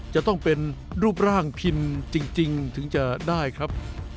จะต้องเป็นรูปร่างพินจริงถึงจะได้ครับ